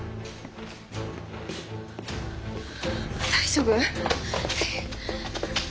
大丈夫？